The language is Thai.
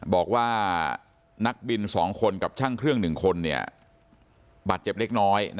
บอกว่านักบิน๒คนกับช่างเครื่อง๑คนบาดเจ็บเล็กน้อย